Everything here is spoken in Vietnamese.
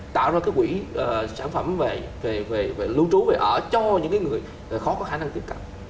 tạo ra quỹ sản phẩm về lưu trú về ở cho những người khó có khả năng tiếp cận